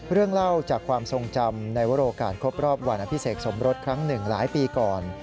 เรื่องเล่าจากความทรงจำในวรโอกาสครบรอบวันอภิเษกสมรสครั้งหนึ่งหลายปีก่อน